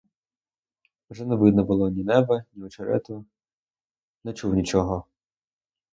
Вже не видно було — ні неба, ні очерету, не чув нічого.